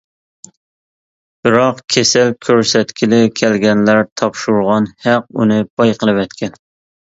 بىراق، كېسەل كۆرسەتكىلى كەلگەنلەر تاپشۇرغان ھەق ئۇنى باي قىلىۋەتكەن.